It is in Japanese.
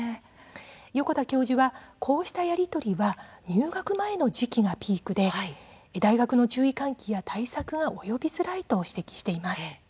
横田教授は、こうしたやり取りは入学前の時期がピークで大学の注意喚起や対策が及びづらいと指摘しています。